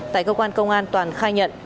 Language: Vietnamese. tại cơ quan công an toàn khai nhận